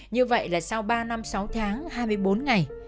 như vậy là sau ba năm sáu tháng hai mươi bốn ngày